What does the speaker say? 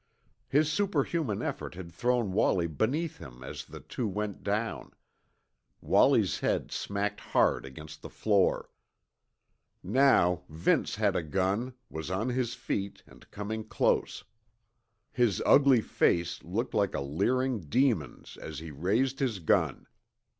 His superhuman effort had thrown Wallie beneath him as the two went down. Wallie's head smacked hard against the floor. Now Vince had a gun, was on his feet and coming close. His ugly face looked like a leering demon's as he raised his gun.